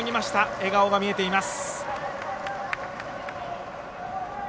笑顔が見えています。